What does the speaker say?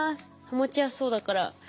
持ちやすそうだから。